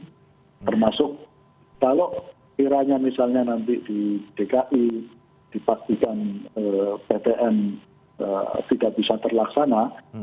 termasuk kalau kiranya misalnya nanti di dki dipastikan ptm tidak bisa terlaksana